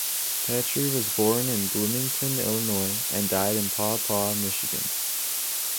Petrie was born in Bloomington, Illinois and died in Paw Paw, Michigan.